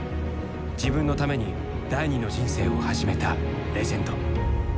自分のために第二の人生を始めたレジェンド。